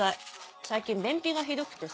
最近便秘がひどくてさ。